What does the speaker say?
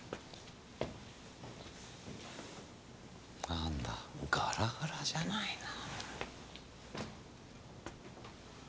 なんだガラガラじゃないの。